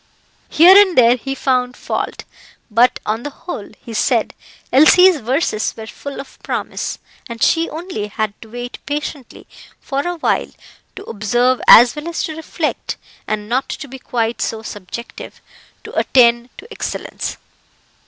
Here and there he found fault; but, on the whole, he said Elsie's verses were full of promise, and she only had to wait patiently for awhile to observe as well as to reflect, and not to be quite so subjective to attain to excellence.